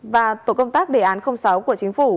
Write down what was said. và tổ công tác đề án sáu của chính phủ